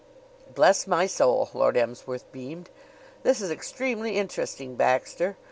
"Bless my soul!" Lord Emsworth beamed. "This is extremely interesting, Baxter.